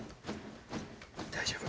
大丈夫。